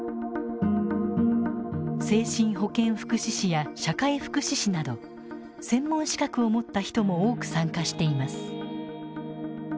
精神保健福祉士や社会福祉士など専門資格を持った人も多く参加しています。